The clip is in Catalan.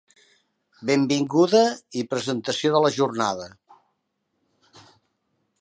Benvinguda i presentació de la jornada.